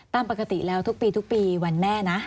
ตามปกติแล้วทุกปีวันแม่นะ